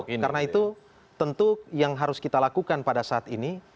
karena itu tentu yang harus kita lakukan pada saat ini